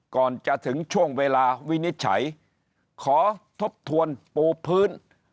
ก่อนจะถึงช่วงเวลาวินิจฉัยขอทบทวนปูพื้น